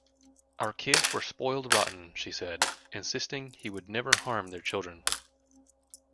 "Our kids were spoiled rotten", she said, insisting he would never harm their children.